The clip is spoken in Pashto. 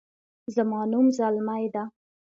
زما نوم زلمۍ ده